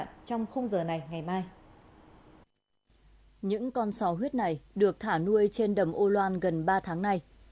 những con sò huyết này được thả nuôi trên đầm âu loan gần ba tháng nay